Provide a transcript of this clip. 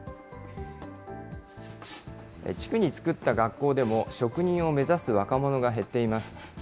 地区に作った学校でも、職人を目指す若者が減っています。